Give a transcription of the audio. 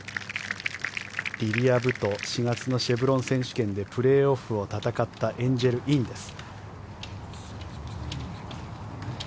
リリア・ブと４月のシェブロン選手権でプレーオフを戦ったエンジェル・インです。